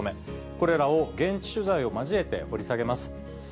これらを現地取材を交えて掘り下げます。